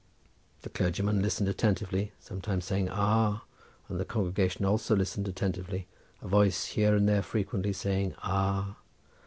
The clergyman listened attentively, sometimes saying "Ah!" and the congregation also listened attentively, a voice here and there frequently saying "Ah."